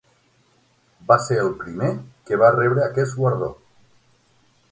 Va ser el primer que va rebre aquest guardó.